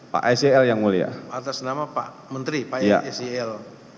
pak sel yang mulia atas nama pak menteri pak sel